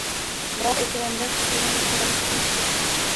Biroq ekranda his-tuygʻuni ifodalash juda mushkul